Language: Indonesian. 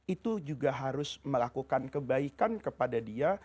itu juga harus melakukan kebaikan kepada dia